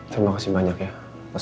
terima kasih banyak ya